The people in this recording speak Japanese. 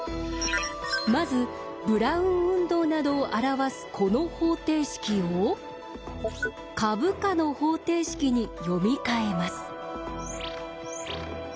まずブラウン運動などを表すこの方程式を株価の方程式に読み替えます。